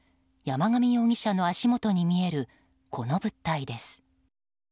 山上容疑者の足元に見えるこの物体です。